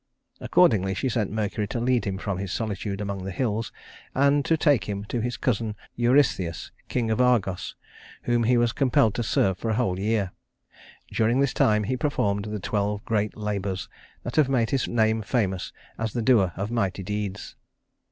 Accordingly she sent Mercury to lead him from his solitude among the hills and to take him to his cousin Eurystheus, king of Argos, whom he was compelled to serve for a whole year. During this time he performed the twelve great labors that have made his name famous as the doer of mighty deeds.